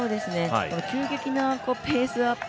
急激なペースアップ